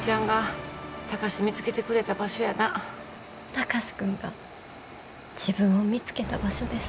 貴司君が自分を見つけた場所です。